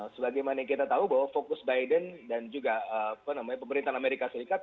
sebagaimana kita tahu bahwa fokus biden dan juga pemerintahan amerika serikat